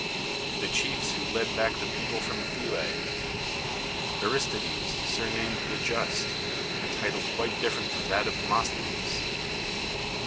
The chiefs who led back the people from Phyle ? Aris tides, surnamed the Just, a title cpiite different from that of Demosthenes